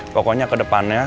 pokoknya ke depannya